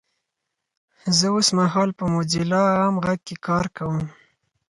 زه اوسمهال په موځیلا عام غږ کې کار کوم 😊!